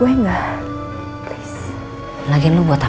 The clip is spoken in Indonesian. berada di mana